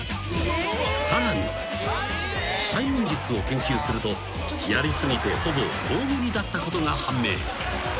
［さらに催眠術を研究するとやり過ぎてほぼ大喜利だったことが判明］